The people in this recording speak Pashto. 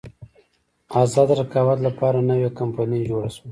ازاد رقابت لپاره نوې کمپنۍ جوړه شوه.